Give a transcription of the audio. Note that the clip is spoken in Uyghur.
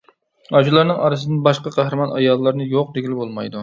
ئاشۇلارنىڭ ئارىسىدىن باشقا قەھرىمان ئاياللارنى يوق دېگىلى بولمايدۇ.